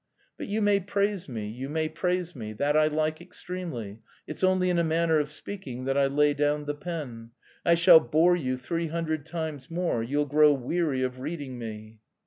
"But you may praise me, you may praise me, that I like extremely; it's only in a manner of speaking that I lay down the pen; I shall bore you three hundred times more, you'll grow weary of reading me...."